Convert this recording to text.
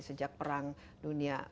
sejak perang dunia